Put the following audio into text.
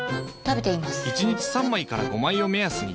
１日３枚から５枚を目安に。